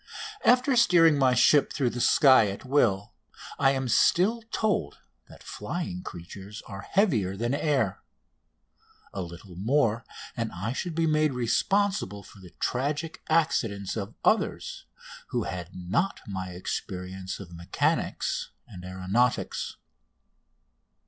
After steering my ship through the sky at will I am still told that flying creatures are heavier than the air. A little more and I should be made responsible for the tragic accidents of others who had not my experience of mechanics and aeronautics.